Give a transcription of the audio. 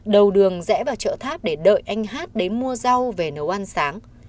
đầu đường rẽ vào chợ tháp để đợi anh hát đến mua rau về nấu ăn sáng